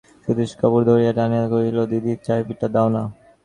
সতীশ সুচরিতার কাপড় ধরিয়া টানিয়া কহিল, দিদি, চাবিটা দাও-না।